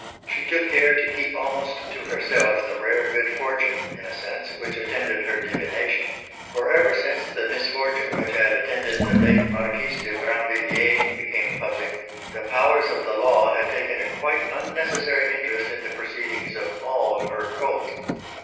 She took care to keep almost to herself the rare good fortune, in a sense, which attended her divination; for ever since the misfortune which had attended the late Marquise de Brinvilliers became public, the powers of the law had taken a quite unnecessary interest in the proceedings of all of her cult.